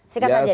singkat saja nih